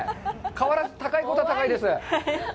かわらず高いことは高いです。